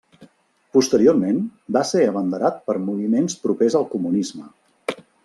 Posteriorment va ser abanderat per moviments propers al comunisme.